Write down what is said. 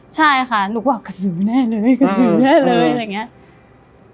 ใช่ค่ะหนูบอกกระสือแน่เลยกระสือแน่เลยอะไรอย่างนี้